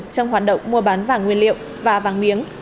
trong hoạt động mua bán vàng nguyên liệu và vàng miếng